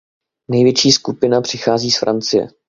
Největší skupina přichází z Francie.